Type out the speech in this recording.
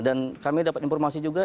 dan kami dapat informasi juga